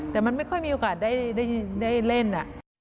แต่มันไม่ค่อยมีโอกาสได้เล่น